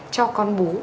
cho con bú